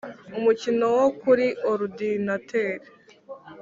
Umukino wo kuri orudinateri